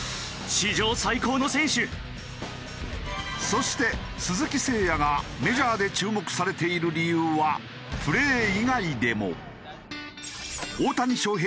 そして鈴木誠也がメジャーで注目されている理由はプレー以外でも。